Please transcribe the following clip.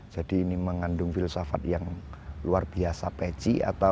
jadi ini mengandung filsafat yang luar biasa peci